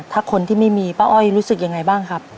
ถ้าคนที่ไม่มีป้าอ้อยรู้สึกยังไงบ้างครับ